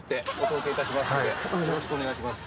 よろしくお願いします。